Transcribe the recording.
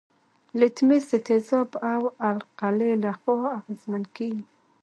لتمس د تیزاب او القلي له خوا اغیزمن کیږي.